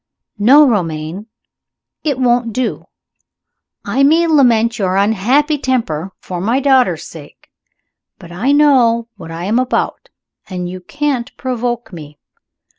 "No, Romayne, it won't do. I may lament your unhappy temper, for my daughter's sake but I know what I am about, and you can't provoke me.